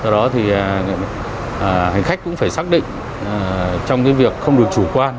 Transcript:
do đó hành khách cũng phải xác định trong việc không được chủ quan